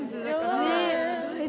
ねっ！